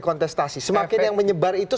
kontestasi semakin yang menyebar itu